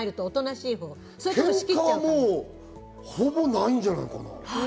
ケンカはほぼないんじゃないかな。